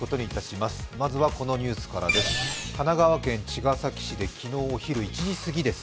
まずはこのニュースからです。